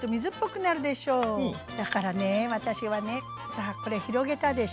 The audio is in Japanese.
だからね私はねさあこれ広げたでしょ？